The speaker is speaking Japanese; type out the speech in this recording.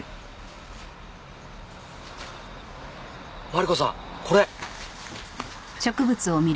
マリコさんこれ！